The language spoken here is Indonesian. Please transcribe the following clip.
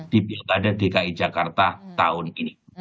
di pilkada dki jakarta tahun ini